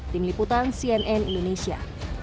tim liputan cnn indonesia